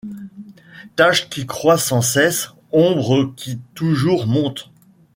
Tache qui croît sans cesse, ombre qui toujours monte